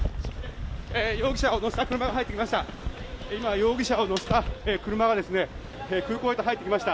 容疑者を乗せた車が入ってきました。